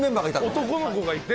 男の子がいて。